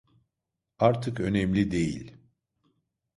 Artık önemli değil.